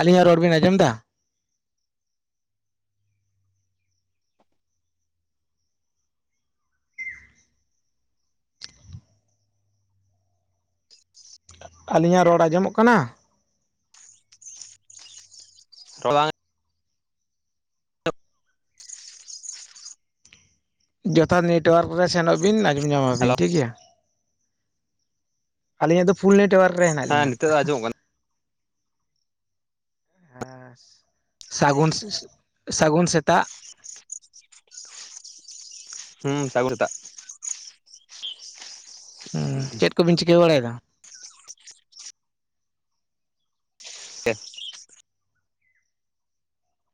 ᱟᱹᱞᱤᱧᱟᱜ ᱨᱚᱲ ᱵᱤᱱ ᱟᱸᱡᱚᱢ ᱮᱫᱟ? [inaudible] ᱟᱹᱞᱤᱧᱟᱜ ᱨᱚᱲ ᱟᱸᱡᱚᱢᱚᱜ ᱠᱟᱱᱟ? [inaudible] ᱨᱚᱲ ᱵᱟᱝ ᱡᱚᱛᱷᱟᱛ ᱱᱮᱴᱚᱳᱣᱟᱨᱠ ᱨᱮ ᱥᱮᱱᱚᱜ ᱵᱤᱱ ᱟᱸᱡᱚᱢ ᱧᱟᱢ ᱦᱮᱞᱳ ᱟᱵᱤᱱ ᱴᱷᱤᱠ ᱜᱮᱭᱟ ᱾ [inaudible] ᱟᱹᱞᱤᱧᱟᱜ ᱫᱚ ᱯᱷᱩᱞ ᱱᱮᱴᱳᱣᱟᱨᱠ ᱨᱮ ᱦᱮᱱᱟᱜ ᱦᱮᱸ ᱞᱤᱧᱟ ᱾ ᱱᱤᱛᱚᱜ ᱫᱚ ᱟᱸᱡᱚᱢᱚᱜ ᱠᱟᱱᱟ ᱦᱩᱸ [inaudible] ᱥᱟᱹᱜᱩᱱ ᱥᱟ. ᱥᱟᱹᱜᱩᱱ ᱥᱮᱛᱟᱜ ᱾ [inaudible] ᱦᱩᱸ ᱥᱟᱹᱜᱩᱱ ᱥᱮᱛᱟᱜ ᱾ ᱦᱮᱸ, ᱪᱮᱫ ᱠᱚᱵᱤᱱ ᱪᱤᱠᱟᱹ ᱵᱟᱲᱟᱭᱮᱫᱟ? [inaudible]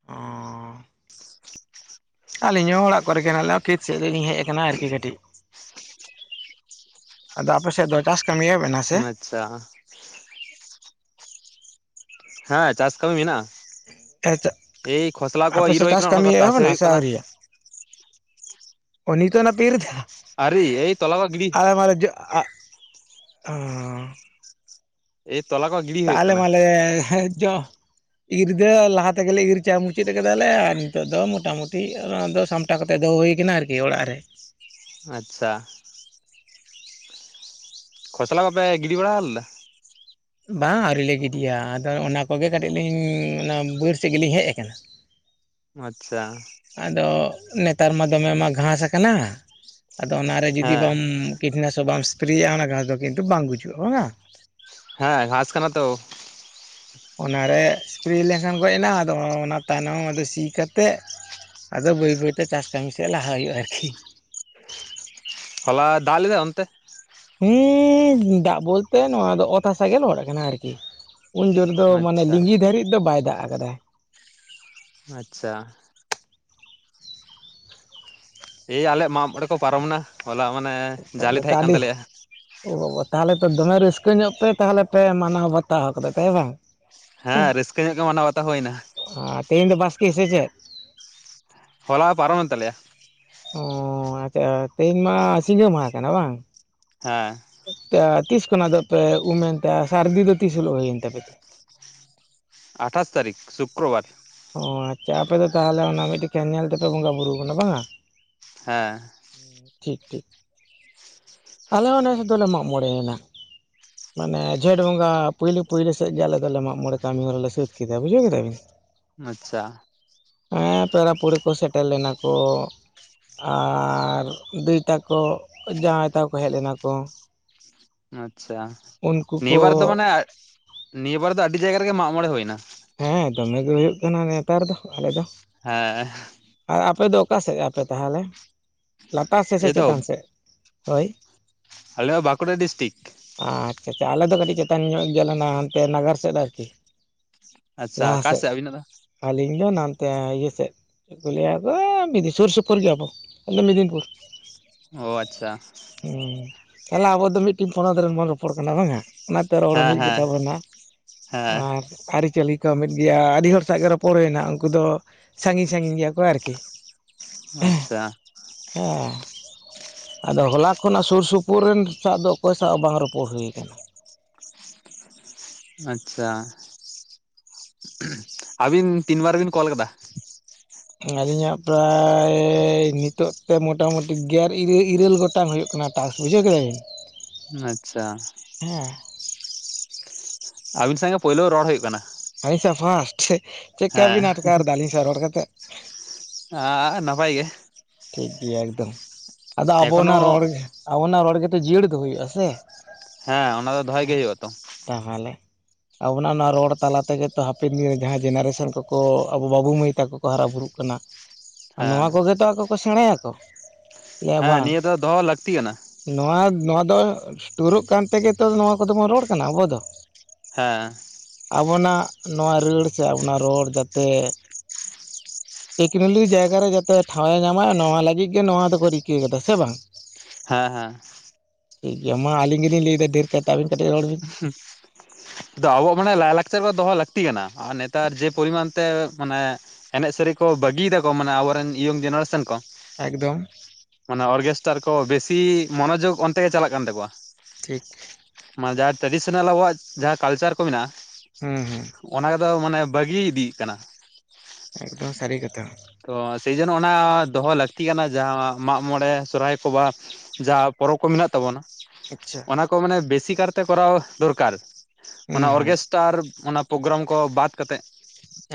ᱚᱸᱻ ᱟᱹᱞᱤᱧ ᱦᱚᱸ ᱚᱲᱟᱜ ᱠᱚᱨᱮ ᱜᱮ ᱦᱮᱱᱟᱜ [unintelligible] ᱠᱷᱮᱛ ᱥᱮᱫ ᱨᱮᱞᱤᱧ ᱦᱮᱡ ᱟᱠᱟᱱᱟ ᱟᱨᱠᱤ ᱠᱟᱹᱴᱤᱡ ᱾ ᱟᱫᱚ ᱟᱯᱮ ᱥᱮᱫ ᱫᱚ ᱪᱟᱥ ᱠᱟᱹᱢᱤ ᱮᱦᱚᱵ ᱮᱱᱟ ᱥᱮ? ᱟᱪᱪᱷᱟ ᱾ ᱦᱮᱸ ᱪᱟᱥ ᱠᱟᱹᱢᱤ ᱢᱮᱱᱟᱜ-ᱟ ᱾ ᱦᱮᱸ ᱛᱚ [inaudible] ᱠᱚ ᱟᱯᱮ ᱤᱨ ᱥᱮᱫ ᱦᱩᱭ ᱪᱟᱥ ᱠᱟᱱᱟ ᱚᱱᱟ ᱠᱟᱹᱢᱤ ᱠᱚ ᱮᱦᱚᱵ ᱛᱟᱥᱮ ᱮᱱᱟ ᱦᱩᱭᱩᱜ ᱥᱮ ᱠᱟᱱᱟ ᱟᱹᱣᱨᱤᱭᱟ? ᱚ ᱱᱤᱛᱳᱜ ᱟᱱᱟ ᱯᱮ ᱤᱨ ᱮᱫᱟ? ᱟᱹᱣᱨᱤ ᱮᱭ ᱛᱚᱞᱟ ᱠᱚ ᱜᱤᱰᱤ [inaudible] ᱟᱞᱮ ᱢᱟᱞᱮ [inaudible] ᱚ ᱾ [unintelligible] ᱛᱚᱞᱟ [unintelligible] ᱛᱟᱦᱚᱞᱮ ᱢᱟᱞᱮ ᱦᱮᱸᱪᱚ ᱤᱨ ᱫᱚ ᱞᱟᱦᱟ ᱛᱮᱜᱮᱞᱮ ᱤᱨ ᱪᱟ ᱢᱩᱪᱟᱹᱫ ᱟᱠᱟᱫᱟ ᱞᱮ ᱾ ᱟᱨ ᱱᱤᱛᱚᱜ ᱫᱚ ᱢᱚᱴᱟᱢᱩᱴᱤ ᱚᱱᱟ ᱫᱚ ᱥᱟᱢ ᱜᱚᱴᱟ ᱠᱟᱛᱮᱫ ᱫᱚ ᱦᱩᱭ ᱟᱠᱟᱱᱟ ᱟᱨᱠᱤ ᱚᱲᱟᱜ ᱨᱮ ᱾ ᱟᱪᱪᱷᱟ ᱾ ᱠᱷᱚᱥᱞᱟ ᱵᱟᱯᱮ ᱜᱤᱰᱤ ᱵᱟᱲᱟ ᱞᱮᱫᱟ? ᱵᱟᱝ ᱟᱹᱣᱨᱤ ᱞᱮ ᱜᱤᱛᱤᱡᱼᱟ᱾ ᱟᱫᱚ ᱚᱱᱟ ᱠᱚᱜᱮ ᱠᱟᱹᱴᱤᱡ ᱞᱤᱧ, ᱚᱱᱟ ᱵᱟᱹᱨ ᱥᱮᱫ ᱜᱮᱞᱤᱧ ᱦᱮᱡ ᱟᱠᱟᱱᱟ᱾ ᱟᱪᱪᱷᱟ᱾ ᱟᱫᱚ ᱱᱮᱛᱟᱨ ᱢᱟ ᱫᱚᱢᱮ ᱢᱟ ᱜᱷᱟᱸᱥ ᱟᱠᱟᱱᱟ᱾ ᱟᱫᱚ ᱚᱱᱟᱨᱮ ᱡᱩᱫᱤ ᱦᱮᱸ ᱵᱟᱢᱼᱼ ᱠᱤᱴᱱᱟᱥᱚᱠ ᱵᱟᱢ ᱥᱯᱨᱮᱭᱟᱼᱟ᱾ ᱚᱱᱟ ᱜᱷᱟᱸᱥ ᱫᱚ ᱠᱤᱱᱛᱩ ᱵᱟᱝ ᱜᱩᱡᱩᱜᱼᱟ ᱵᱟᱝᱼᱟ᱾ ᱦᱮᱸ ᱜᱷᱟᱸᱥ ᱠᱟᱱᱟ ᱛᱚ ᱾ ᱚᱱᱟᱨᱮ ᱥᱯᱨᱮ ᱞᱮᱱᱠᱷᱟᱱ ᱜᱚᱡ ᱮᱱᱟ᱾ ᱟᱫᱚ ᱚᱱᱟ ᱛᱟᱭᱱᱚᱢ ᱟᱫᱚ ᱥᱤ ᱠᱟᱛᱮᱫ ᱟᱫᱚ ᱵᱟᱹᱭ ᱵᱟᱹᱭᱛᱮ ᱪᱟᱥ ᱠᱟᱹᱢᱤ ᱥᱮᱫ ᱞᱟᱦᱟ ᱦᱩᱭᱩᱜᱼᱟ ᱟᱨᱠᱤ᱾ ᱦᱚᱞᱟ, ᱫᱟᱜ ᱞᱮᱫᱟᱭ ᱚᱱᱛᱮ? ᱦᱩᱸᱼᱼ ᱫᱟᱜ ᱵᱚᱞᱛᱮ ᱱᱚᱣᱟ ᱫᱚ ᱚᱛ ᱦᱟᱥᱟ ᱜᱮ ᱞᱚᱦᱚᱫ ᱠᱟᱱᱟ ᱟᱨ ᱠᱤ᱾ ᱩᱱ ᱡᱳᱨ ᱫᱚ ᱢᱟᱱᱮ ᱟᱪᱪᱷᱟ ᱞᱤᱸᱜᱤ ᱫᱷᱟᱹᱨᱤᱡ ᱫᱚ ᱵᱟᱭ ᱫᱟᱜ ᱟᱠᱟᱫᱟ᱾ ᱟᱪᱪᱷᱟ᱾ ᱮᱭ ᱟᱞᱮᱭᱟᱜ ᱢᱟᱜ ᱢᱚᱬᱮ ᱠᱚ ᱯᱟᱨᱚᱢ ᱮᱱᱟ ᱾ ᱦᱚᱞᱟ ᱢᱟᱱᱮ ᱡᱟᱞᱮ ᱛᱟᱦᱚᱞᱮ ᱛᱚ ᱛᱟᱦᱮᱸ ᱠᱟᱱ ᱟᱹᱰᱤ ᱛᱟᱞᱮᱭᱟ ᱾ ᱳ ᱵᱟᱵᱟ, ᱛᱟᱦᱚᱞᱮ ᱛᱚ ᱫᱚᱢᱮ ᱨᱟᱹᱥᱠᱟᱹ ᱧᱚᱜ ᱯᱮ ᱛᱟᱦᱚᱞᱮ ᱯᱮ ᱢᱟᱱᱟᱣ ᱵᱟᱛᱟᱣ ᱠᱟᱫᱟ᱾ ᱦᱮᱸ ᱛᱚ ᱵᱟᱝ᱾ ᱦᱮᱸ, ᱨᱟᱹᱥᱠᱟᱹ ᱧᱚᱜ ᱜᱮ ᱢᱟᱱᱟᱣ ᱵᱟᱛᱟᱣ ᱦᱳᱭᱱᱟ᱾ ᱟᱨ ᱛᱮᱦᱮᱧ ᱫᱚ ᱵᱟᱥᱠᱮ ᱥᱮ ᱪᱮᱫ? ᱦᱚᱞᱟ ᱯᱟᱨᱚᱢᱮᱱ ᱛᱟᱞᱮᱭᱟ᱾ ᱚ ᱟᱪᱪᱷᱟ, ᱛᱮᱦᱮᱧ ᱢᱟ ᱥᱤᱸᱜᱟᱹ ᱢᱟᱦᱟ ᱠᱟᱱᱟ ᱵᱟᱝ᱾ ᱦᱮᱸ ᱛᱤᱥ ᱠᱷᱚᱱᱟᱜ ᱫᱚ ᱯᱮ ᱩᱢ ᱮᱱᱛᱮ᱾ ᱥᱟᱹᱨᱫᱤ ᱫᱚ ᱛᱤᱥ ᱦᱤᱞᱳᱜ ᱦᱩᱭᱮᱱ ᱛᱟᱯᱮᱭᱟ᱾ ᱟᱴᱷᱟᱥ ᱛᱟᱹᱨᱤᱠᱷ, ᱥᱩᱠᱨᱚᱵᱟᱨ᱾ ᱚ ᱟᱪᱪᱷᱟ, ᱟᱯᱮ ᱫᱚ ᱛᱟᱦᱚᱞᱮ ᱚᱱᱟ ᱢᱤᱫᱴᱮᱱ ᱠᱮᱱ ᱧᱮᱞ ᱛᱮᱯᱮ ᱵᱚᱸᱜᱟ ᱵᱩᱨᱩ ᱠᱟᱱᱟ ᱵᱟᱝᱟ᱾ ᱦᱮᱸ᱾ ᱴᱷᱤᱠ, ᱴᱷᱤᱠ᱾ ᱟᱞᱮ ᱦᱚᱸ ᱱᱮᱥ ᱫᱚᱞᱮ ᱢᱟᱜ ᱢᱚᱬᱮᱭᱱᱟ᱾ ᱢᱟᱱᱮ ᱡᱷᱮᱸᱴ ᱵᱚᱸᱜᱟ ᱯᱳᱭᱞᱳ ᱯᱳᱭᱞᱳ ᱥᱮᱜ ᱜᱮ ᱟᱞᱮ ᱫᱚᱞᱮ ᱢᱟᱜ ᱢᱚᱬᱮ ᱠᱟᱹᱢᱤ ᱦᱚᱨᱟ ᱞᱮ ᱥᱟᱹᱛ ᱠᱮᱫᱟ᱾ ᱵᱩᱡᱷᱟᱹᱣ ᱠᱮᱫᱟ ᱵᱤᱱ᱾ ᱟᱪᱪᱷᱟ᱾ ᱦᱮᱸ ᱯᱮᱲᱟ ᱯᱟᱦᱲᱟᱹ ᱠᱚ ᱥᱮᱴᱮᱨ ᱞᱮᱱᱟ ᱠᱚ᱾ ᱟᱨ ᱫᱟᱹᱭ ᱛᱟᱠᱚ, ᱡᱟᱶᱟᱭ ᱛᱟᱠᱚ ᱠᱚ ᱦᱮᱡ ᱞᱮᱱᱟ ᱠᱚ᱾ ᱟᱪᱪᱷᱟ, ᱩᱱᱠᱩ ᱱᱤᱭᱟᱹ ᱠᱚ ᱵᱟᱨ ᱫᱚ ᱢᱟᱱᱮ, ᱱᱤᱭᱟᱹ ᱵᱟᱨ ᱫᱚ ᱟᱹᱰᱤ ᱡᱟᱭᱜᱟ ᱨᱮᱜᱮ ᱢᱟᱜ ᱢᱚᱬᱮ ᱦᱳᱭ ᱱᱟ᱾ ᱦᱮᱸ ᱫᱚᱢᱮ ᱜᱮ ᱦᱳᱭᱳᱜ ᱠᱟᱱᱟ ᱱᱮᱛᱟᱨ ᱫᱚ ᱟᱞᱮ ᱫᱚ᱾ ᱦᱮᱸ᱾ ᱟᱨ ᱟᱯᱮ ᱫᱚ ᱚᱠᱟ ᱥᱮᱫ ᱟᱯᱮ ᱛᱟᱦᱮᱞᱮ? ᱞᱟᱛᱟᱨ ᱥᱮᱜ ᱥᱮ ᱮᱭᱛᱚ ᱪᱮᱛᱟᱱ ᱥᱮᱜ᱾ ᱦᱳᱭ᱾ ᱟᱞᱮ ᱦᱚᱸ ᱵᱟᱸᱠᱩᱲᱟ ᱰᱤᱥᱴᱨᱤᱠ᱾ ᱟᱪᱪᱷᱟ, ᱟᱪᱪᱷᱟ ᱟᱞᱮ ᱫᱚ ᱠᱟᱹᱴᱤᱡ ᱪᱮᱛᱟᱱ ᱧᱚᱜ ᱜᱮᱭᱟᱞᱮ ᱦᱟᱱᱛᱮ ᱱᱟᱜᱟᱨ ᱥᱮᱫ ᱟᱨ ᱠᱤ᱾ ᱟᱪᱪᱷᱟ, ᱟᱠᱟ ᱥᱮᱜ ᱟᱹᱵᱤᱱᱟᱜ ᱫᱚ? ᱟᱹᱞᱤᱧ ᱫᱚ ᱱᱟᱱᱛᱮ ᱤᱭᱟᱹ ᱥᱮᱜ, ᱪᱮᱜ ᱠᱚ ᱞᱟᱹᱭᱟ ᱟᱫᱚ ᱥᱳᱨ ᱥᱳᱯᱳᱨ ᱜᱮᱭᱟ ᱟᱵᱚ ᱫᱚ ᱢᱤᱫᱱᱤᱯᱩᱨ᱾ ᱚ ᱟᱪᱪᱷᱟ᱾ ᱩᱸ ᱛᱟᱦᱚᱞᱮ ᱟᱵᱚ ᱫᱚ ᱢᱤᱫᱴᱤᱡ ᱯᱚᱱᱚᱛ ᱨᱮᱱ ᱵᱚᱱ ᱨᱚᱯᱚᱲ ᱠᱟᱱᱟ ᱵᱟᱝ᱾ ᱚᱱᱟᱛᱮ ᱨᱚᱲ ᱦᱮᱸ ᱢᱤᱜ ᱜᱮ ᱦᱮᱸ ᱛᱟᱵᱚᱱᱟ᱾ ᱦᱮᱸ ᱟᱨ ᱟᱹᱨᱤᱪᱟᱹᱞᱤ ᱠᱚ ᱢᱤᱫ ᱜᱮᱭᱟ᱾ ᱟᱹᱰᱤ ᱦᱚᱲ ᱥᱟᱶ ᱜᱮ ᱨᱚᱯᱚᱲ ᱦᱳᱭᱱᱟ᱾ ᱩᱱᱠᱩ ᱫᱚ ᱥᱟᱺᱜᱤᱧ ᱥᱟᱺᱜᱤᱧ ᱜᱮᱭᱟ ᱠᱚ ᱟᱨ ᱠᱤ᱾ ᱟᱪᱪᱷᱟ᱾ ᱚ ᱟᱫᱚ ᱦᱚᱞᱟ ᱠᱷᱚᱱᱟᱜ ᱥᱩᱨ ᱥᱩᱯᱩᱨ ᱨᱮᱱ ᱥᱟᱜ ᱫᱚ, ᱚᱠᱚᱭ ᱥᱟᱜ ᱵᱟᱝ ᱨᱚᱯᱚᱲ ᱦᱩᱭ ᱠᱟᱱᱟ᱾ ᱟᱪᱪᱷᱟ ᱟᱹᱵᱤᱱ ᱛᱤᱱ ᱵᱟᱨ ᱵᱤᱱ ᱠᱚᱞ ᱠᱟᱫᱟ? ᱟᱹᱞᱤᱧᱟᱜ ᱯᱨᱟᱭᱻ ᱱᱤᱛᱚᱜ ᱛᱮ ᱢᱚᱴᱟᱢᱩᱴᱤ ᱜᱮᱞ ᱤᱨᱟᱹ ᱤᱨᱟᱹᱞ ᱜᱚᱴ ᱴᱟᱝ ᱦᱳᱭᱳᱜ ᱠᱟᱱᱟ ᱴᱟᱥᱠ ᱵᱩᱡᱷᱟᱹᱣ ᱠᱮᱫᱟ ᱵᱤᱱ ᱟᱪᱪᱷᱟ ᱦᱮᱸ ᱟᱹᱵᱤᱱ ᱥᱟᱣ ᱜᱮ ᱯᱳᱭᱞᱳ ᱨᱚᱲ ᱦᱳᱭᱳᱜ ᱠᱟᱱᱟ ᱟᱹᱞᱤᱧ ᱥᱟᱜ ᱯᱷᱟᱥᱴ ᱪᱮᱜᱠᱟ ᱦᱮᱸ ᱵᱤᱱ ᱟᱴᱠᱟᱨ ᱫᱟ ᱟᱞᱤᱧ ᱥᱟᱜ ᱨᱚᱲ ᱠᱟᱛᱮᱜ? ᱟ ᱱᱟᱯᱟᱭ ᱜᱮ ᱴᱷᱤᱠ ᱜᱮᱭᱟ ᱮᱠᱫᱚᱢ ᱟᱫᱚ ᱮᱠᱷᱚᱱᱳ ᱟᱵᱚᱱᱟᱜ ᱨᱚᱲ ᱟᱵᱚᱱᱟᱜ ᱨᱚᱲ ᱜᱮᱛᱚ ᱡᱤᱭᱟᱹᱲ ᱫᱚᱦᱚᱭ ᱦᱩᱭᱩᱜᱼᱟ ᱥᱮ ᱦᱮᱸ ᱚᱱᱟ ᱫᱚ ᱫᱚᱦᱚᱭ ᱜᱮ ᱦᱳᱭᱩᱜ ᱟᱛᱚ ᱛᱟᱦᱟᱞᱮ ᱟᱵᱚᱱᱟᱜ ᱱᱚᱣᱟ ᱨᱚᱲ ᱛᱟᱞᱟ ᱛᱮᱜᱮ ᱛᱚ ᱦᱟᱯᱮᱱ ᱫᱤᱱᱨᱮ ᱡᱟᱦᱟᱸᱭ ᱡᱮᱱᱟᱨᱮᱥᱚᱱ ᱠᱚᱠᱚ ᱟᱵᱚ ᱵᱟᱹᱵᱩ ᱢᱟᱹᱭ ᱛᱟᱠᱚ ᱠᱚ ᱦᱟᱨᱟ ᱵᱩᱨᱩᱜ ᱠᱟᱱᱟ ᱦᱮᱸ ᱱᱚᱣᱟ ᱠᱚᱜᱮ ᱛᱚ ᱟᱠᱚ ᱠᱚ ᱥᱮᱸᱲᱟᱭᱟ ᱠᱚ ᱦᱮᱸ ᱱᱤᱭᱟᱹ ᱫᱚ ᱫᱚᱦᱚ ᱞᱟᱹᱠᱛᱤ ᱠᱟᱱᱟ ᱱᱚᱣᱟ ᱱᱚᱣᱟ ᱫᱚ ᱳᱥᱴᱳᱨᱚᱜ ᱠᱟᱱ ᱛᱮᱜᱮ ᱛᱚ ᱱᱚᱣᱟ ᱠᱚᱫᱚ ᱵᱚᱱ ᱨᱚᱲ ᱠᱟᱱᱟ ᱟᱵᱚ ᱫᱚ ᱦᱮᱸ ᱟᱵᱚᱱᱟᱜ ᱱᱚᱣᱟ ᱨᱟᱹᱲ ᱥᱮ ᱟᱵᱚᱱᱟᱜ ᱨᱚᱲ ᱡᱟᱛᱮ ᱴᱮᱠᱱᱳᱞᱤ ᱡᱟᱭᱜᱟ ᱨᱮ ᱡᱟᱛᱮ ᱴᱷᱟᱶ ᱮ ᱧᱟᱢ ᱢᱟ ᱱᱚᱣᱟ ᱞᱟᱹᱜᱤᱫ ᱜᱮ ᱱᱚᱣᱟ ᱫᱚᱠᱚ ᱨᱤᱠᱟᱹ ᱠᱟᱫᱟ ᱥᱮ ᱵᱟᱝ ᱦᱮᱸ ᱦᱮᱸ ᱴᱷᱤᱠ ᱜᱮᱭᱟ ᱢᱟ ᱟᱞᱤᱧ ᱜᱮᱞᱤᱧ ᱞᱟᱹᱭᱮᱫᱟ ᱰᱷᱮᱨ [unintelligible] ᱟᱵᱤᱱ ᱠᱟᱹᱴᱤᱡ ᱨᱚᱲ ᱵᱤᱱ ᱦᱩᱸ ᱟᱫᱚ ᱟᱵᱚᱣᱟᱜ ᱢᱟᱱᱮ ᱞᱟᱭᱼᱞᱟᱠᱪᱟᱨ ᱫᱚ ᱫᱚᱦᱚ ᱞᱟᱹᱠᱛᱤ ᱠᱟᱱᱟ ᱟᱨ ᱱᱮᱛᱟᱨ ᱡᱮ ᱯᱚᱨᱤᱢᱟᱱ ᱛᱮ ᱢᱟᱱᱮ ᱮᱱᱮᱡ ᱥᱮᱨᱮᱧ ᱠᱚ ᱵᱟᱹᱜᱤᱭᱮᱫᱟ ᱠᱚ ᱢᱟᱱᱮ ᱟᱵᱚᱨᱮᱱ ᱤᱭᱚᱝ ᱡᱮᱱᱟᱨᱮᱥᱚᱱ ᱠᱚ ᱮᱠᱫᱚᱢ ᱢᱟᱱᱮ ᱚᱨᱜᱮᱥᱴᱟᱨ ᱠᱚ ᱵᱮᱥᱤ ᱢᱚᱱᱚᱡᱳᱜᱽ ᱚᱱᱛᱮ ᱜᱮ ᱪᱟᱞᱟᱜ ᱠᱟᱱ ᱛᱟᱠᱚᱣᱟ ᱴᱷᱤᱠ ᱢᱟᱱᱮ ᱡᱟᱦᱟᱸ ᱴᱨᱟᱰᱤᱥᱚᱱᱟᱞ ᱟᱵᱚᱣᱟᱜ ᱡᱟᱦᱟᱸ ᱠᱟᱞᱪᱟᱨ ᱠᱚ ᱢᱮᱱᱟᱜᱼᱟ ᱦᱩᱸ ᱦᱩᱸ ᱚᱱᱟ ᱫᱚ ᱢᱟᱱᱮ ᱵᱟᱹᱜᱤ ᱤᱫᱤᱜ ᱠᱟᱱᱟ ᱮᱠᱫᱚᱢ ᱥᱟᱨᱤ ᱠᱟᱛᱷᱟ ᱛᱚ ᱥᱤᱡᱤᱱ ᱚᱱᱟ ᱫᱚᱦᱚ ᱞᱟᱹᱠᱛᱤ ᱠᱟᱱᱟ ᱡᱟᱦᱟᱸ ᱢᱟᱜ ᱢᱚᱬᱮ ᱥᱚᱨᱦᱟᱭ ᱠᱚ ᱵᱟ ᱡᱟ ᱯᱚᱨᱚᱵᱽ ᱠᱚ ᱢᱮᱱᱟᱜ ᱛᱟᱵᱚᱱᱟ ᱟᱪᱪᱷᱟ ᱚᱱᱟ ᱠᱚ ᱢᱟᱱᱮ ᱵᱮᱥᱤ ᱠᱟᱨᱛᱮ ᱠᱚᱨᱟᱣ ᱫᱚᱨᱠᱟᱨ ᱦᱩᱸ ᱚᱱᱟ ᱦᱩᱸ ᱚᱨᱜᱮᱥ ᱴᱟᱨ ᱚᱱᱟ ᱯᱳᱜᱨᱟᱢ ᱠᱚ ᱵᱟᱫ ᱠᱟᱛᱮᱫ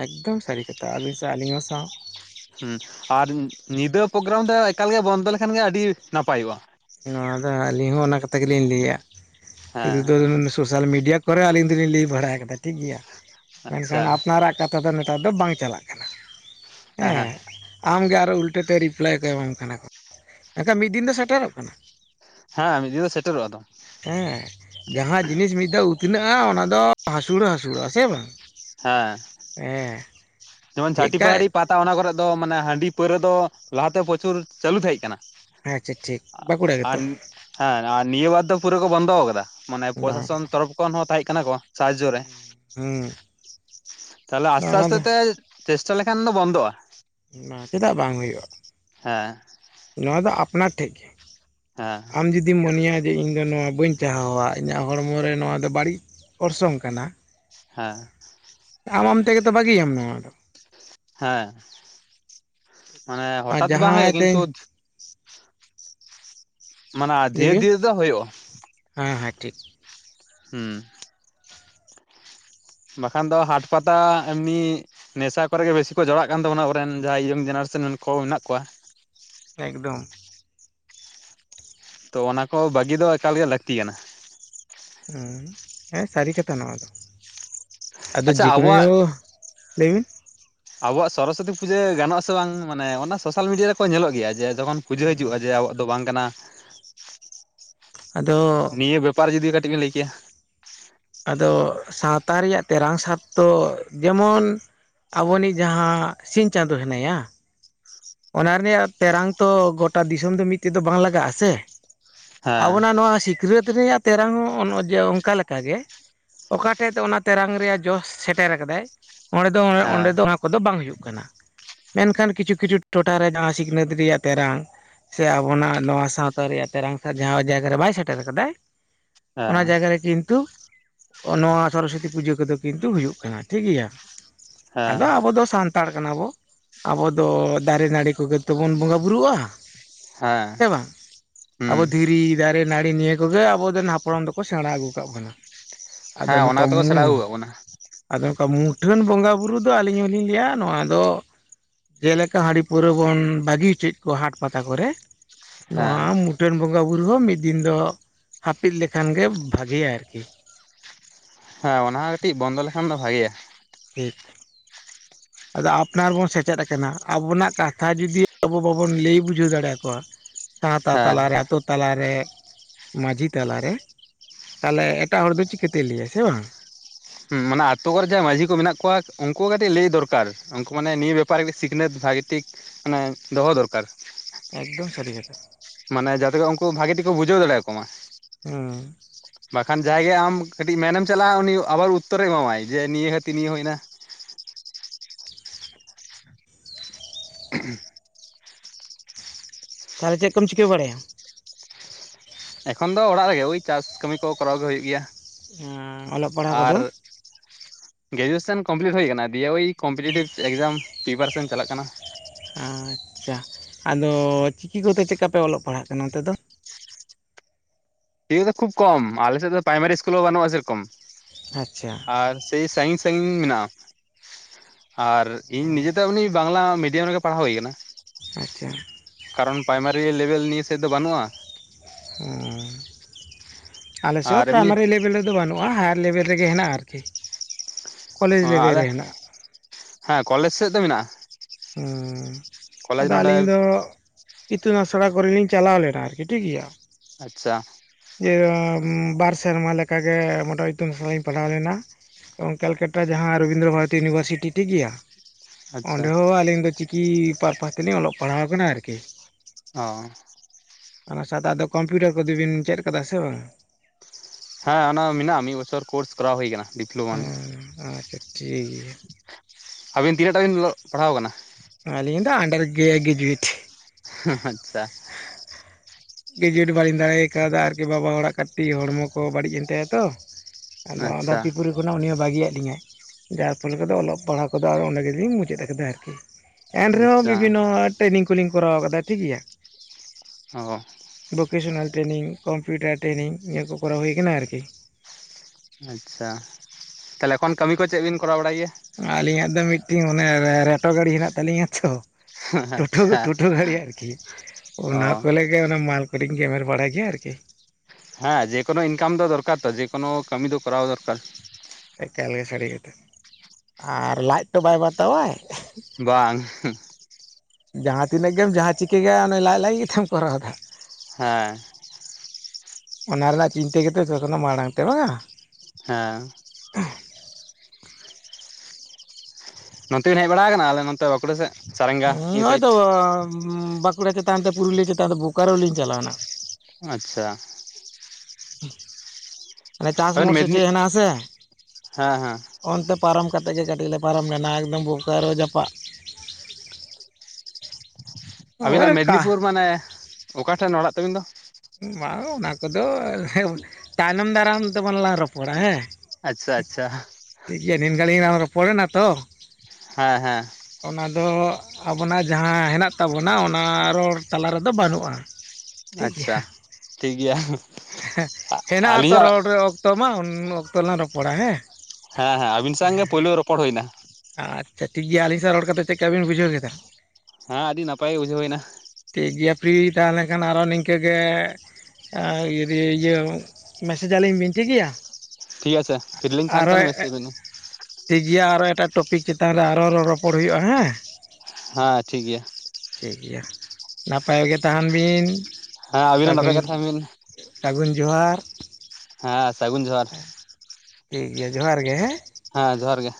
ᱮᱠᱫᱚᱢ ᱥᱟᱹᱨᱤ ᱠᱟᱛᱷᱟ ᱟᱹᱵᱤᱱ ᱥᱟᱶ ᱟᱹᱞᱤᱧ ᱦᱚᱸ ᱥᱟᱶ ᱦᱩᱸ ᱟᱨ ᱧᱤᱫᱟᱹ ᱯᱳᱜᱨᱟᱢ ᱫᱚ ᱮᱠᱟᱞᱜᱮ ᱵᱚᱱᱫᱚ ᱞᱮᱠᱷᱟᱱ ᱜᱮ ᱟᱹᱰᱤ ᱱᱟᱯᱟᱭᱚᱜᱼᱟ ᱱᱚᱣᱟ ᱫᱚ ᱟᱹᱞᱤᱧ ᱦᱚᱸ ᱚᱱᱟ ᱠᱟᱛᱷᱟ ᱜᱮᱞᱤᱧ ᱞᱟᱹᱭᱟ ᱥᱩᱫᱩ ᱫᱚ ᱦᱮᱸ ᱥᱳᱥᱟᱞ ᱢᱤᱰᱤᱭᱟ ᱠᱚᱨᱮ ᱟᱹᱞᱤᱧ ᱫᱩᱞᱤᱧ ᱞᱟᱹᱭ ᱵᱟᱲᱟ ᱠᱟᱫᱟ ᱴᱷᱤᱠ ᱜᱮᱭᱟ ᱢᱮᱱᱠᱷᱟᱱ ᱟᱪᱪᱷᱟ ᱟᱯᱱᱟᱨᱟᱜ ᱠᱟᱛᱷᱟ ᱫᱚ ᱱᱮᱛᱟᱨ ᱫᱚ ᱵᱟᱝ ᱪᱟᱞᱟᱜ ᱠᱟᱱᱟ ᱦᱮᱸ ᱦᱮᱸ ᱮᱸ ᱟᱢᱜᱮ ᱟᱨᱚ ᱩᱞᱴᱟᱹᱛᱮ ᱨᱤᱯᱞᱟᱭ ᱠᱚ ᱮᱢᱟᱢ ᱠᱟᱱᱟ ᱠᱚ ᱢᱮᱱᱠᱷᱟᱱ ᱢᱤᱫ ᱫᱤᱱ ᱫᱚ ᱥᱮᱴᱮᱨᱚᱜ ᱠᱟᱱᱟ ᱦᱮᱸ ᱢᱤᱫ ᱫᱤᱱ ᱫᱚ ᱥᱮᱴᱮᱨᱚᱜ-ᱟ ᱛᱚ ᱦᱮᱸ ᱡᱟᱦᱟᱸ ᱡᱤᱱᱤᱥ ᱢᱤᱫ ᱫᱷᱟᱣ ᱩᱛᱱᱟᱹᱜᱼᱟ ᱚᱱᱟ ᱫᱚ ᱦᱟᱹᱥᱩᱲ ᱦᱚᱸ ᱦᱟᱹᱥᱩᱲᱚᱜ-ᱟ ᱥᱮ ᱵᱟᱝ ᱦᱮᱸ ᱦᱮᱸ ᱡᱮᱢᱚᱱ ᱡᱷᱟᱴᱤ ᱪᱮᱫᱠᱟ ᱯᱟᱦᱟᱲᱤ ᱯᱟ ᱛᱟᱣ ᱚᱱᱟ ᱠᱚᱨᱮᱫ ᱫᱚ ᱢᱟᱱᱮ ᱦᱟᱺᱰᱤ ᱯᱟᱹᱣᱨᱟᱹ ᱫᱚ ᱞᱟᱦᱟ ᱛᱮ ᱯᱚᱪᱩᱨ ᱪᱟᱹᱞᱩ ᱛᱟᱦᱮᱸᱜ ᱠᱟᱱᱟ ᱾ ᱟᱪᱪᱷᱟ ᱴᱷᱤᱠ, ᱵᱟᱸᱠᱩᱲᱟ ᱜᱮᱛᱚ ᱾ ᱦᱮᱸ ᱟᱨ ᱱᱤᱭᱟᱹ ᱵᱟᱨ ᱫᱚ ᱯᱩᱨᱟᱹ ᱠᱚ ᱵᱚᱱᱫᱚ ᱟᱠᱟᱫᱟ ᱾ ᱢᱟᱱᱮ ᱵᱟᱝ ᱯᱨᱚᱥᱟᱥᱚᱱ ᱛᱚᱨᱚᱯᱷ ᱠᱷᱚᱱ ᱦᱚᱸ ᱛᱟᱦᱮᱸᱜ ᱠᱟᱱᱟ ᱠᱚ ᱥᱟᱦᱟᱡᱽᱡᱚ ᱨᱮ ᱾ ᱦᱩᱸ ᱾ ᱛᱟᱦᱞᱮ ᱟᱥᱛᱮ ᱟᱥᱛᱮ ᱛᱮ ᱪᱮᱥᱴᱟ ᱞᱮᱠᱷᱟᱱ ᱫᱚ ᱵᱚᱱᱫᱚᱜᱼᱟ ᱾ ᱚᱱᱟ ᱪᱮᱫᱟᱜ ᱵᱟᱝ ᱦᱩᱭᱩᱜ-ᱟ? ᱦᱮᱸ ᱾ ᱱᱚᱣᱟ ᱫᱚ ᱟᱯᱱᱟᱨ ᱴᱷᱮᱡ ᱜᱮ ᱦᱮᱸ ᱾ [inaudible] ᱟᱢ ᱡᱩ ᱫᱤᱢ ᱢᱚᱱᱮᱭᱟ ᱡᱮ ᱤᱧ ᱫᱚ ᱱᱚᱣᱟ ᱵᱟᱹᱧ ᱪᱟᱦᱟᱣᱟ ᱾ ᱤᱧᱟᱹᱜ ᱦᱚᱲᱢᱚ ᱨᱮ ᱱᱚᱣᱟ ᱫᱚ ᱵᱟᱹᱲᱤᱡ ᱚᱨᱥᱚᱝ ᱠᱟᱱᱟ ᱾ ᱦᱮᱸ ᱾ ᱟᱢ ᱟᱢ ᱛᱮᱜᱮ ᱛᱚ ᱵᱟᱹᱜᱤᱭᱟᱢ ᱱᱚᱣᱟ ᱫᱚ ᱾ ᱦᱮᱸ, [inaudible] ᱢᱟᱱᱮ ᱟᱨ ᱦᱚᱴᱟᱛ ᱫᱚ ᱵᱟᱝ ᱦᱩᱭᱩᱜᱼᱟ, ᱡᱟᱦᱟᱸᱭ ᱛᱮᱧ ᱠᱤᱱᱛᱩ ᱢᱟᱱᱮ ᱞᱟᱹᱭ ᱫᱷᱤᱨᱮ ᱵᱤᱱ ᱫᱷᱤᱨᱮ ᱫᱚ ᱦᱩᱭᱩᱜᱼᱟ ᱾ ᱦᱮᱸ ᱦᱮᱸ ᱴᱷᱤᱠ ᱾ ᱦᱮᱸ ᱾ ᱵᱟᱠᱷᱟᱱ ᱫᱚ ᱦᱟᱴ ᱯᱟᱛᱟ ᱮᱢᱱᱤ ᱱᱮᱥᱟ ᱠᱚᱨᱮᱜ ᱜᱮ ᱵᱮᱥᱤ ᱠᱚ ᱡᱚᱲᱟᱜ ᱠᱟᱱ ᱛᱟᱵᱚᱱᱟ ᱟᱵᱚᱨᱮᱱ ᱡᱟᱦᱟᱸᱭ ᱤᱭᱚᱝ ᱡᱮᱱᱟᱨᱮᱥᱚᱱ ᱠᱚ ᱢᱮᱱᱟᱜ ᱠᱚᱣᱟ ᱾ ᱮᱠᱫᱚᱢ ᱾ ᱛᱚ ᱚᱱᱟ ᱠᱚ ᱵᱟᱜᱤ ᱫᱚ ᱮᱠᱟᱞ ᱜᱮ ᱞᱟᱹᱠᱛᱤ ᱠᱟᱱᱟ ᱾ ᱦᱩᱸ ᱾ ᱦᱮᱸ ᱥᱟᱹᱨᱤ ᱠᱟᱛᱷᱟ ᱱᱚᱣᱟ ᱫᱚ ᱾ ᱟᱪᱪᱷᱟ ᱟᱵᱚᱣᱟᱜ ᱞᱟᱹᱭ ᱵᱤᱱ [inaudible] ᱟᱵᱚᱣᱟᱜ ᱥᱚᱨᱚᱥᱚᱛᱤ ᱯᱩᱡᱟᱹ ᱜᱟᱱᱚᱜ-ᱟ ᱥᱮ ᱵᱟᱝ? ᱢᱟᱱᱮ ᱚᱱᱟ ᱥᱳᱥᱟᱞ ᱢᱤᱰᱤᱭᱟ ᱨᱮᱠᱚ ᱧᱮᱞᱚᱜ ᱜᱮᱭᱟ ᱾ ᱡᱮ, ᱡᱚᱠᱷᱚᱱ ᱯᱩᱡᱟᱹ ᱦᱤᱡᱩᱜᱼᱟ ᱡᱮ, ᱟᱵᱚᱣᱟᱜ ᱫᱚ ᱵᱟᱝ ᱠᱟᱱᱟ ᱾ ᱟᱫᱚ ᱱᱤᱭᱟᱹ ᱵᱮᱯᱟᱨ ᱡᱩᱫᱤ ᱠᱟᱹᱴᱤᱡ ᱵᱤᱱ ᱞᱟᱹᱭ ᱠᱮᱭᱟ ᱾ ᱟᱫᱚ ᱥᱟᱶᱛᱟ ᱨᱮᱭᱟᱜ ᱛᱮᱨᱟᱝ ᱥᱟᱨ ᱫᱚ ᱡᱮᱢᱚᱱ ᱟᱵᱚᱱᱤᱡ ᱡᱟᱦᱟᱸ ᱥᱤᱧ ᱪᱟᱸᱫᱳ ᱦᱮᱱᱟᱭᱟ ᱾ ᱚᱱᱟ ᱨᱮᱭᱟᱜ ᱛᱮᱨᱟᱝ ᱛᱚ ᱜᱚᱴᱟ ᱫᱤᱥᱚᱢ ᱫᱚ ᱢᱤᱫ ᱛᱮᱫᱚ ᱵᱟᱝ ᱞᱟᱜᱟᱜ-ᱟ ᱥᱮ ᱾ ᱦᱮᱸ ᱟᱵᱚᱱᱟᱜ ᱱᱚᱣᱟ ᱥᱤᱠᱷᱱᱟᱹᱛ ᱨᱮᱭᱟᱜ ᱛᱮᱨᱟᱝ ᱦᱚᱸ ᱚᱱᱠᱟ ᱞᱮᱠᱟ ᱜᱮ ᱾ ᱚᱠᱟ ᱴᱷᱮᱡ ᱛᱮ ᱚᱱᱟ ᱛᱮᱨᱟᱝ ᱨᱮᱭᱟᱜ ᱡᱚᱥ ᱥᱮᱴᱮᱨ ᱟᱠᱟᱫᱟᱭ ᱚᱸᱰᱮ ᱫᱚ ᱚᱸᱰᱮ ᱦᱮᱸ ᱫᱚ ᱚᱱᱟ ᱠᱚᱫᱚ ᱵᱟᱝ ᱦᱩᱭᱩᱜ ᱠᱟᱱᱟ ᱾ ᱢᱮᱱᱠᱷᱟᱱ ᱠᱤᱪᱷᱩ ᱠᱤᱪᱷᱩ ᱴᱚᱴᱷᱟ ᱨᱮ ᱡᱟᱦᱟᱸ ᱥᱤᱠᱷᱱᱟᱹᱛ ᱨᱮᱭᱟᱜ ᱛᱮᱨᱟᱝ ᱥᱮ ᱟᱵᱚᱱᱟᱜ ᱱᱚᱣᱟ ᱥᱟᱶᱛᱟ ᱨᱮᱭᱟᱜ ᱛᱮᱨᱟᱝ ᱥᱟᱨ ᱡᱟᱦᱟᱸ ᱡᱟᱭᱜᱟ ᱨᱮ ᱵᱟᱭ ᱥᱮᱴᱮᱨ ᱟᱠᱟᱫᱟᱭ ᱾ ᱚᱱᱟ ᱦᱮᱸ ᱡᱟᱭᱜᱟ ᱨᱮ ᱠᱤᱱᱛᱩ ᱱᱚᱶᱟ ᱱᱚᱣᱟ ᱥᱚᱨᱚᱥᱚᱛᱤ ᱯᱩᱡᱟᱹ ᱠᱚᱫᱚ ᱠᱤᱱᱛᱩ ᱦᱩᱭᱩᱜ ᱠᱟᱱᱟ ᱴᱷᱤᱠ ᱜᱮᱭᱟ ᱾ ᱦᱮᱸ ᱟᱫᱚ ᱟᱵᱚ ᱫᱚ ᱥᱟᱱ ᱛᱟᱲ ᱠᱟᱱᱟ ᱵᱚ ᱾ ᱟᱵᱚ ᱫᱚ ᱫᱟᱨᱮ ᱱᱟᱹᱲᱤ ᱠᱚᱜᱮ ᱛᱮᱵᱚᱱ ᱵᱚᱸᱜᱟ ᱵᱩᱨᱩᱜᱼᱟ ᱾ ᱦᱮᱸ ᱵᱟᱝ, ᱟᱵᱚ ᱦᱩᱸ ᱫᱷᱤᱨᱤ ᱫᱟᱨᱮ ᱱᱟᱹᱲᱤ ᱱᱤᱭᱟᱹ ᱠᱚᱜᱮ ᱟᱵᱚᱨᱮᱱ ᱦᱟᱯᱲᱟᱢ ᱫᱚᱠᱚ ᱥᱮᱬᱟ ᱟᱹᱜᱩ ᱠᱟᱜ ᱵᱚᱱᱟ ᱾ ᱟᱫᱚ ᱦᱮᱸ ᱚᱱᱟ ᱱᱚᱠᱟ ᱠᱚᱛᱮ ᱠᱚ ᱥᱮᱬᱟ ᱢᱩᱸ ᱟᱹᱜᱩ ᱠᱟᱜ ᱵᱚᱱᱟ ᱟᱫᱚ ᱚᱱᱠᱟ ᱢᱩᱴᱷᱟᱹᱱ ᱵᱚᱸᱜᱟ ᱵᱩᱨᱩ ᱫᱚ ᱟᱹᱞᱤᱧ ᱦᱚᱞᱤᱧ ᱞᱟᱹᱭᱟ ᱱᱚᱣᱟ ᱫᱚ ᱡᱮᱞᱮᱠ ᱟ ᱦᱟᱹᱲᱤ ᱯᱟᱹᱣᱨᱟᱹ ᱵᱚᱱ ᱵᱟᱹᱜᱤ ᱦᱚᱪᱚᱭᱮᱫ ᱠᱚᱣᱟ ᱦᱟᱴ ᱯᱟᱛᱟ ᱠᱚᱨᱮ ᱾ ᱱᱚᱣᱟ ᱦᱮᱸ ᱢᱩᱸ ᱢᱩᱴᱷᱟᱹᱱ ᱵᱚᱸᱜᱟ ᱵᱩᱨᱩ ᱦᱚᱸ ᱢᱤᱫ ᱫᱤᱱ ᱫᱚ ᱦᱟᱹᱯᱤᱫ ᱞᱮᱠᱷᱟᱱ ᱜᱮ ᱵᱷᱟᱜᱮᱭᱟ ᱟᱨᱠᱤ ᱾ ᱦᱮᱸ ᱚᱱᱟ ᱦᱚᱸ ᱠᱟᱹᱴᱤᱡ ᱵᱚᱱᱫᱚ ᱞᱮᱠᱷᱟᱱ ᱫᱚ ᱵᱷᱟᱜᱮᱭᱟ ᱾ ᱴᱷᱤᱠ ᱾ [inaudible] ᱟᱫᱚ ᱟᱯᱱᱟᱨ ᱵᱚᱱ ᱥᱮᱪᱮᱫ ᱟᱠᱟᱱᱟ ᱟᱵᱚᱱᱟᱜ ᱠᱟᱛᱷᱟ ᱡᱩᱫᱤ ᱟᱵᱚ ᱵᱟᱵᱚᱱ ᱞᱟᱹᱭ ᱵᱩᱡᱷᱟᱹᱣ ᱫᱟᱲᱮᱭᱟᱠᱚᱣᱟ ᱥᱟᱶᱛᱟ ᱦᱮᱸ ᱛᱟᱞᱟᱨᱮ ᱟᱛᱳ ᱛᱟᱞᱟᱨᱮ ᱢᱟᱺᱡᱷᱤ ᱛᱟᱞᱟᱨᱮ ᱛᱟᱦᱞᱮ ᱮᱴᱟᱜ ᱦᱚᱲ ᱫᱚ ᱪᱤᱠᱟᱹᱛᱮᱭ ᱞᱟᱹᱭᱟ ᱥᱮ ᱵᱟᱝ᱾ ᱦᱩᱸ ᱢᱟᱱᱮ ᱟᱛᱳ ᱠᱚᱨᱮ ᱡᱟᱦᱟᱸᱭ ᱢᱟᱺᱡᱷᱤ ᱠᱚ ᱢᱮᱱᱟᱜ ᱠᱚᱣᱟ ᱩᱱᱠᱩ ᱠᱟᱹᱴᱤᱡ ᱞᱟᱹᱭ ᱫᱚᱨᱠᱟᱨ ᱩᱱᱠᱩ ᱢᱟᱱᱮ ᱱᱤᱭᱟᱹ ᱵᱮᱯ ᱥᱤᱠᱷᱱᱟᱹᱛ ᱵᱷᱟᱜᱤ ᱴᱷᱤᱠ ᱢᱟᱱᱮ ᱫᱚᱦᱚ ᱫᱚᱨᱠᱟᱨ᱾ ᱮᱠᱫᱚᱢ ᱥᱟᱹᱨᱤ ᱠᱟᱛᱷᱟ᱾ ᱢᱟᱱᱮ ᱡᱟᱛᱮ ᱠᱚ ᱩᱝᱠᱩ ᱵᱷᱟᱜᱤ ᱴᱤᱠᱚ ᱵᱩᱡᱷᱟᱹᱣ ᱫᱟᱲᱮᱣ ᱠᱚ ᱢᱟ ᱦᱮᱸ ᱵᱟ ᱠᱷᱟᱱ ᱡᱟᱦᱟᱭᱜᱮ ᱟᱢ ᱠᱟᱹᱴᱤᱡ ᱢᱮᱱᱮᱢ ᱪᱟᱞᱟᱜ-ᱟ ᱩᱱᱤ ᱟᱵᱟᱨ ᱩᱛᱛᱚᱨᱮ ᱮᱢᱟᱢᱟᱭ ᱡᱮ ᱱᱤᱭᱟ ᱦᱟᱹᱛᱤ ᱱᱤᱭᱟᱹ ᱦᱩᱭᱱᱟ᱾ ᱛᱷᱟᱞᱮ ᱪᱮᱜ ᱠᱚᱢ ᱪᱤᱠᱟᱹ ᱵᱟᱲᱟᱭᱟ? ᱮᱠᱷᱚᱱ ᱫᱚ ᱚᱲᱟᱜ ᱨᱮᱜᱮ ᱳᱭ ᱪᱟᱥ ᱠᱟᱹᱢᱤ ᱠᱚ ᱠᱚᱨᱟᱣ ᱜᱮ ᱦᱩᱭᱩᱜ ᱜᱮᱭᱟ᱾ ᱚ ᱚᱞᱚᱜ ᱯᱟᱲᱦᱟᱣ ᱠᱚᱫᱚ? ᱜᱮᱡᱩᱭᱮᱥᱮᱱ ᱠᱚᱢᱯᱞᱤᱴ ᱦᱩᱭᱠᱟᱱᱟ ᱫᱤᱭᱮ ᱳᱭ ᱠᱚᱢᱯᱤᱴᱮᱴᱤᱵᱽ ᱮᱠᱡᱟᱢ ᱯᱤᱨᱯᱟᱨᱮᱥᱮᱱ ᱪᱟᱞᱟᱜ ᱠᱟᱱᱟ᱾ ᱚ ᱟᱪᱪᱟ ᱟᱫᱚ ᱪᱤᱠᱤ ᱠᱚᱛᱮ ᱪᱮᱜᱠᱟ ᱯᱮ ᱚᱞᱚᱜ ᱯᱟᱲᱦᱟᱜ ᱠᱟᱱᱟ ᱚᱱᱛᱮ ᱫᱚ? ᱤᱭᱟᱹ ᱫᱚ ᱠᱷᱩᱵ ᱠᱚᱢ ᱟᱞᱮ ᱥᱮᱫ ᱫᱚ ᱯᱟᱭᱢᱟᱨᱤ ᱤᱥᱠᱩᱞ ᱦᱚᱸ ᱵᱟᱹᱱᱩᱜ-ᱟ ᱥᱮᱨᱚᱠᱚᱢ᱾ ᱟᱪᱪᱷᱟ ᱟᱨ ᱥᱮᱭ ᱥᱟᱺᱜᱤᱧ ᱥᱟᱺᱜᱤᱧ ᱢᱮᱱᱟᱜ-ᱟ᱾ ᱟᱨ ᱤᱧ ᱱᱤᱡᱮᱛᱮ ᱩᱱᱤ ᱵᱟᱝᱞᱟ ᱢᱤᱰᱤᱭᱟᱢ ᱨᱮᱜᱮ ᱯᱟᱲᱦᱟᱣ ᱦᱩᱭ ᱠᱟᱱᱟ, ᱟᱪᱟ ᱠᱟᱨᱚᱱ ᱯᱟᱭᱢᱟᱨᱤ ᱞᱮᱵᱮᱞ ᱱᱤᱭᱟᱹ ᱥᱮᱫ ᱫᱚ ᱵᱟᱹᱱᱩᱜ-ᱟ᱾ ᱳᱻ ᱟᱞᱮᱥᱮᱜ ᱟᱨ ᱦᱚᱸ ᱮᱢᱱᱤ ᱯᱨᱟᱭᱢᱟᱨᱤ ᱞᱮᱵᱮᱞ ᱨᱮᱫᱚ ᱵᱟᱹᱱᱩᱜ ᱱᱩ ᱟ ᱦᱟᱭᱟᱨ ᱞᱮᱵᱮᱞ ᱨᱮᱜᱮ ᱦᱮᱱᱟᱜ-ᱟ ᱟᱨᱠᱤ᱾ ᱠᱚᱞᱮᱡᱽ ᱚ ᱞᱮᱵᱮᱞ ᱟᱞᱮ ᱨᱮ ᱦᱮᱱᱟᱜᱼᱟ ᱦᱮᱸ ᱠᱚᱞᱮᱡᱽ ᱥᱮᱫ ᱫᱚ ᱢᱮᱱᱟᱜ-ᱟ᱾ ᱦᱩᱸ ᱟᱫᱚ ᱟᱹᱞᱤᱧ ᱫᱚ ᱤᱛᱩᱱ ᱟᱥᱲᱟ ᱠᱚᱨᱮ ᱞᱤᱧ ᱪᱟᱞᱟᱣ ᱞᱮᱱᱟ ᱟᱨᱠᱤ ᱴᱷᱤᱠ ᱜᱮᱭᱟ ᱟᱪᱪᱟ ᱵᱟᱨ ᱥᱮᱨᱢᱟ ᱞᱮᱠᱟᱜᱮ ᱢᱳᱴᱟ ᱤᱛᱩᱱ ᱟᱥᱲᱟ ᱞᱤᱧ ᱯᱟᱲᱦᱟᱣ ᱞᱮᱱᱟ ᱮᱵᱚᱝ ᱠᱮᱞᱠᱟᱴᱟ ᱡᱟᱦᱟᱸ ᱨᱚᱵᱤᱱᱫᱨᱚ ᱵᱷᱟᱨᱚᱛᱤ ᱤᱭᱩᱱᱤᱵᱷᱟᱨᱥᱤᱴᱤ ᱴᱷᱤᱠ ᱜᱮᱭᱟ ᱟᱪᱪᱷᱟ ᱚᱸᱰᱮ ᱦᱚᱸ ᱟᱹᱞᱤᱧ ᱫᱚ ᱪᱤᱠᱤ ᱯᱟᱨᱯᱟᱥ ᱛᱮᱞᱤᱧ ᱚᱞᱚᱜ ᱯᱟᱲᱦᱟᱣ ᱠᱟᱱᱟ ᱟᱨᱠᱤ᱾ ᱚ ᱚᱱᱟ ᱥᱟᱶᱛᱮ ᱟᱫᱚ ᱠᱚᱢᱯᱤᱭᱩᱴᱟᱨ ᱠᱚᱫᱵᱤᱱ ᱪᱮᱫ ᱠᱟᱫᱟ ᱥᱮ ᱵᱟᱝᱟ? ᱦᱮᱸ ᱚᱱᱟ ᱢᱮᱱᱟᱜ-ᱟ ᱢᱤᱫ ᱵᱚᱪᱷᱚᱨ ᱠᱳᱨᱥ ᱠᱚᱨᱟᱣ ᱦᱩᱭ ᱠᱟᱱᱟ ᱰᱤᱯᱞᱳᱢᱟᱨ ᱱᱟᱜ᱾ ᱦᱩᱸ ᱟᱪᱟ ᱴᱤ ᱜᱮᱭᱟ ᱟᱹᱵᱤᱱ ᱛᱤᱱᱟᱹᱜ ᱴᱟ ᱞᱚᱜ ᱵᱤᱱ ᱯᱟᱲᱦᱟᱣ ᱠᱟᱱᱟ? ᱟᱹᱞᱤᱧ ᱫᱚ ᱟᱱᱰᱟᱨ ᱜᱮ ᱜᱮᱡᱩᱭᱮᱴ᱾ ᱟᱪᱪᱷᱟ ᱜᱮᱡᱩᱭᱮᱴ ᱵᱟᱞᱤᱧ ᱫᱟᱲᱮᱭ ᱠᱟᱣᱫᱟ ᱟᱨᱠᱤ ᱵᱟᱵᱟ ᱦᱚᱲᱟᱜ ᱠᱟᱹᱴᱤ ᱦᱚᱲᱢᱚ ᱠᱚ ᱵᱟᱹᱲᱤᱡ ᱮᱱ ᱛᱟᱭᱟ ᱛᱚ, ᱟᱫᱚ ᱟᱪᱪᱷᱟ [unintelligible] ᱠᱚᱱᱟ ᱩᱱᱤ ᱦᱚᱸ ᱵᱟᱹᱜᱤ ᱭᱟᱜ ᱞᱤᱧᱟᱭ ᱡᱟᱨ ᱯᱷᱚᱞ ᱨᱮᱫᱚ ᱚᱞᱚᱜ ᱯᱟᱲᱦᱟᱣ ᱠᱚᱫᱚ ᱟᱫᱚ ᱚᱸᱰᱮ ᱜᱮᱞᱤᱧ ᱢᱩᱪᱟᱹᱫ ᱟᱠᱟᱫᱟ ᱟᱨᱠᱤ᱾ ᱮᱱ ᱨᱮᱦᱚᱸ ᱟᱪᱪᱷᱟ ᱵᱤᱵᱷᱤᱱᱱᱚ ᱴᱨᱮᱱᱤᱝ ᱠᱚᱞᱤᱧ ᱠᱚᱨᱟᱣ ᱠᱟᱫᱟ ᱴᱷᱤᱠ ᱜᱮᱭᱟ, ᱚ ᱵᱳᱠᱮᱥᱚᱱᱟᱞ ᱴᱨᱮᱱᱤᱝ ᱠᱚᱢᱯᱤᱭᱩᱴᱟᱨ ᱴᱨᱮᱱᱤᱝ ᱱᱤᱭᱟᱹ ᱠᱚ ᱠᱚᱨᱟᱣ ᱦᱩᱭ ᱠᱟᱱᱟ ᱟᱨᱠᱤ᱾ ᱟᱪᱪᱷᱟ ᱛᱟᱦᱞᱮ ᱮᱠᱷᱚᱱ ᱠᱟᱹᱢᱤ ᱠᱚ ᱪᱮᱜ ᱵᱤᱱ ᱠᱚᱨᱟᱣ ᱵᱟᱲᱟᱭ ᱜᱮᱭᱟ? ᱟᱞᱤᱧᱟᱜ ᱫᱚ ᱢᱤᱫ ᱴᱤᱱ ᱚᱱᱮ ᱨᱮ ᱨᱮᱴᱚ ᱜᱟᱲᱤ ᱦᱮᱱᱟᱜ ᱛᱟᱹᱞᱤᱧᱟ ᱛᱚ ᱴᱳ ᱴᱳ ᱟᱪᱪᱷᱟ ᱴᱳ ᱴᱳ ᱜᱟᱹᱲᱤ ᱟᱨᱠᱤ ᱚ ᱚᱱᱟ ᱠᱚ ᱞᱟᱹᱜ ᱚᱱᱟ ᱢᱟᱞ ᱠᱚᱨᱮᱧ ᱜᱮᱢᱮᱨ ᱵᱟᱲᱟᱭ ᱜᱮᱭᱟ ᱟᱨᱠᱤ ᱦᱮᱸ ᱡᱮᱠᱳᱱᱳ ᱤᱱᱠᱟᱢ ᱫᱚ ᱫᱚᱨ ᱠᱟᱨ ᱛᱚ ᱡᱮᱠᱱᱳ ᱠᱟᱹᱢᱤ ᱫᱚ ᱠᱚᱨᱟᱣ ᱫᱚᱨᱠᱟᱨ᱾ ᱮᱠᱟᱞ ᱜᱮ ᱥᱟᱹᱲᱤ ᱠᱟᱛᱷᱟ ᱟᱨ ᱞᱟᱡ ᱛᱚ ᱵᱟᱭ ᱵᱟᱛᱟᱣᱭ᱾ ᱵᱟᱝ ᱡᱟᱦᱟᱸ ᱛᱤᱱᱟᱹᱜ ᱜᱮᱢ ᱡᱟᱦᱟᱸ ᱪᱤᱠᱟᱹ ᱜᱮᱭᱟ ᱚᱱ ᱞᱟᱡ ᱞᱟᱹᱜᱤᱛ ᱜᱮ ᱛᱚᱢ ᱠᱚᱨᱟᱣ ᱮᱫᱟ᱾ ᱦᱮᱸ ᱚᱱᱟ ᱨᱮᱱᱟᱜ ᱪᱤᱱᱛᱟᱹ ᱜᱮ ᱛᱚ ᱡᱷᱚᱛᱚ ᱠᱷᱚᱱ ᱢᱟᱲᱟᱝ ᱛᱮ ᱵᱟᱝ ᱟ᱾ ᱦᱮᱸ ᱱᱚᱛᱮ ᱵᱮᱱ ᱦᱮᱡ ᱵᱟᱲᱟ ᱟᱠᱟᱱᱟ ᱟᱞᱮ ᱱᱚᱛᱮ ᱵᱟᱸᱠᱩᱲᱟ ᱥᱮᱫ, ᱥᱟᱨᱝᱜᱟ ᱱᱤᱭᱟᱹ ᱱᱚᱜᱼᱚᱭ ᱥᱟᱭᱤᱴ᱾ ᱛᱚ ᱵᱟᱸᱠᱩᱲᱟ ᱪᱮᱛᱟᱱ ᱛᱮ ᱯᱩᱨᱩᱞᱤᱭᱟᱹ ᱪᱮᱛᱟᱱ ᱵᱳᱠᱟᱨᱳᱞᱤᱧ ᱪᱟᱞᱟᱣᱱᱟ᱾ ᱟᱪᱪᱷᱟ ᱟᱞᱮ ᱪᱟᱥ ᱟᱵᱤᱱ ᱢᱳᱲ ᱥᱮ ᱢᱮᱫᱽᱱᱤ ᱪᱮᱫ ᱦᱮᱱᱟᱜᱼᱟ ᱥᱮ ᱦᱮᱸ ᱦᱮᱸ ᱚᱱᱛᱮ ᱯᱟᱨᱚᱢ ᱠᱟᱛᱮᱫ ᱜᱮ ᱠᱟᱹᱴᱤᱡ ᱞᱮ ᱯᱟᱨᱚᱢ ᱞᱮᱱᱟ ᱮᱠᱫᱚᱢ ᱵᱳᱠᱟᱨᱳ ᱡᱟᱯᱟᱜ᱾ [inaudible] ᱳᱭ ᱟᱹᱵᱤᱱᱟᱜ ᱚᱠᱟ ᱢᱮᱫᱽᱱᱤᱯᱩᱨ ᱢᱟᱱᱮ ᱚᱠᱟ ᱴᱷᱮᱱ ᱚᱲᱟᱜ ᱛᱟᱵᱤᱱ ᱫᱚ? ᱵᱟᱝ ᱚᱱᱟ ᱠᱚ ᱫᱚ ᱛᱟᱭᱱᱚᱢ ᱫᱟᱨᱟᱢ ᱛᱮ ᱞᱟᱝ ᱨᱚᱯᱚᱲ ᱟ ᱦᱮᱸ᱾ ᱟᱪᱪᱷᱟ ᱟᱪᱪᱷᱟ ᱴᱷᱤᱠ ᱜᱮᱭᱟ ᱱᱤᱱ ᱜᱷᱟᱲᱤᱡ ᱞᱟᱝ ᱨᱚᱯᱚᱲ ᱮᱱᱟ ᱛᱚ᱾ ᱦᱮᱸ ᱦᱮᱸ ᱚᱱᱟ ᱫᱚ ᱟᱵᱚᱱᱟᱜ ᱡᱟᱦᱟᱸ ᱦᱮᱱᱟᱜ ᱛᱟᱵᱚᱱᱟ ᱚᱱᱟ ᱨᱚᱲ ᱛᱟᱞᱟ ᱨᱮᱫᱚ ᱵᱟᱹᱱᱩᱜᱼᱟ᱾ ᱴᱷᱤᱠ ᱟᱪᱪᱷᱟ ᱜᱮᱭᱟ ᱴᱷᱤᱠ ᱜᱮᱭᱟ᱾ᱟᱹᱞᱤ ᱧᱟᱜ ᱨᱮ ᱚᱠᱛᱚ ᱢᱟ ᱩᱱ ᱚᱠᱛᱚ ᱞᱟᱝ ᱨᱚᱯᱚᱲᱟ ᱦᱮᱸ᱾ ᱦᱮᱸ ᱦᱮᱸ ᱟᱹᱵᱤᱱ ᱥᱟᱝᱜᱮ ᱯᱳᱭᱞᱳ ᱨᱚᱯᱚᱲ ᱦᱳᱭᱱᱟ᱾ ᱟᱪᱪᱷᱟ ᱴᱷᱤᱠ ᱜᱮᱭᱟ ᱟᱹᱞᱤᱧ ᱥᱟᱶ ᱨᱚᱲ ᱠᱟᱛᱮᱫ ᱪᱮᱫ ᱠᱟ ᱵᱤᱱ ᱵᱩᱡᱷᱟᱹᱣ ᱠᱮᱫᱟ? ᱦᱮᱸ ᱟᱹᱰᱤ ᱱᱟᱯᱟᱭ ᱵᱩᱡᱷᱟᱹᱣ ᱱᱟ᱾ ᱴᱷᱤᱠ ᱜᱮᱭᱟ ᱯᱷᱤᱨᱤ ᱛᱟᱦᱞᱮ ᱠᱷᱟᱱ ᱟᱨᱚ ᱱᱤᱱ ᱠᱟᱹᱜᱮ ᱟᱸ ᱢᱩᱫᱤ ᱤᱭᱟᱹ ᱢᱮᱥᱮᱡ ᱟᱞᱤᱧ ᱵᱤᱱ ᱴᱷᱤᱠ ᱜᱮᱭᱟ᱾ ᱴᱷᱤᱠ ᱟᱪᱷᱮ ᱯᱷᱤᱨᱤᱧ ᱛᱟᱦᱮᱱ ᱟᱨᱚ ᱠᱷᱟᱡ ᱢᱮᱥᱮᱡ ᱟᱵᱤᱱᱤᱡ᱾ ᱴᱷᱤᱠ ᱜᱮᱭᱟ ᱟᱨᱚ ᱮᱴᱟᱜ ᱴᱚᱯᱤᱠ ᱪᱮᱛᱟᱱ ᱨᱮ ᱟᱨᱚ ᱨᱚᱲ ᱨᱚᱯᱚᱲ ᱦᱳᱭᱳᱜᱼᱟ ᱦᱮᱸ᱾ ᱦᱮᱸ ᱴᱷᱤᱠ ᱜᱮᱭᱟ᱾ ᱴᱷᱤᱠ ᱜᱮᱭᱟ᱾ ᱱᱟᱯᱟᱭ ᱜᱮ ᱛᱟᱦᱮᱱ ᱵᱤᱱ ᱦᱮᱸ ᱟᱹᱵᱤᱱ ᱦᱚᱸ ᱱᱟᱯᱟᱭ ᱥᱟᱹᱜᱩᱱ ᱠᱟᱛᱷᱟ ᱵᱤᱱ ᱥᱟᱹᱜᱩᱱ ᱡᱚᱦᱟᱨ᱾ ᱦᱮᱸ ᱥᱟᱹᱜᱩᱱ ᱡᱚᱦᱟᱨ᱾ ᱴᱷᱤᱠ ᱜᱮᱭᱟ ᱡᱚᱦᱟᱨ ᱜᱮ ᱦᱮᱸ᱾ ᱦᱮᱸ ᱡᱚᱦᱟᱨ ᱜᱮ᱾